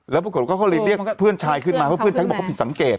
แล้วปรากฏว่าเขาเลยเรียกเพื่อนชายขึ้นมาเพราะเพื่อนชายก็บอกเขาผิดสังเกต